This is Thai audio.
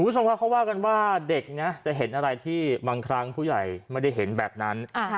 คุณผู้ชมครับเขาว่ากันว่าเด็กนะจะเห็นอะไรที่บางครั้งผู้ใหญ่ไม่ได้เห็นแบบนั้น